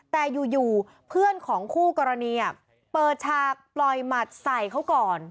แต่อยู่เพื่อนของคู่กรณีเปิดฉากปล่อยหมัดใส่เขาก่อน